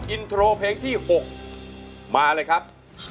อินโทรเพลงที่๖มาเลยครับ